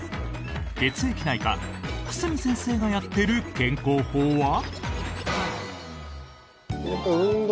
血液内科、久住先生がやっている健康法は？